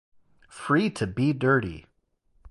Free to Be Dirty!